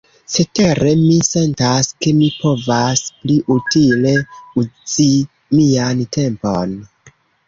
Cetere, mi sentas, ke mi povas pli utile uzi mian tempon.